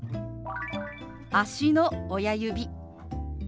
「足の親指」。